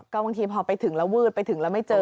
ก็บางทีพอไปถึงแล้ววืดไปถึงแล้วไม่เจอ